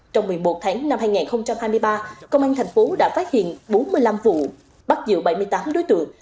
trong một mươi một tháng năm hai nghìn hai mươi ba công an thành phố đã phát hiện bốn mươi năm vụ bắt giữ bảy mươi tám đối tượng